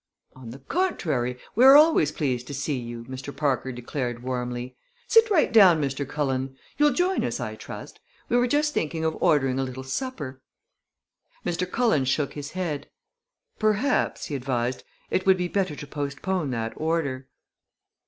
"On the contrary, we are always pleased to see you," Mr. Parker declared warmly. "Sit right down, Mr. Cullen! You'll join us, I trust? We were just thinking of ordering a little supper." Mr. Cullen shook his head. "Perhaps," he advised, "it would be better to postpone that order."